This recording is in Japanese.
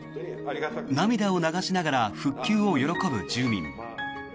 涙を流しながら復旧を喜ぶ住民。